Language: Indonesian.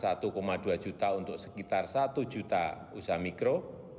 saya memiliki insentif yang sebesar rp satu dua juta untuk sekitar satu juta usaha mikro